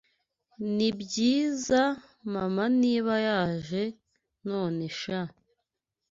Nibyiza Mama niba yaje nonesha